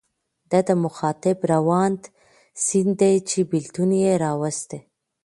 د ده مخاطب روان سیند دی چې بېلتون یې راوستی.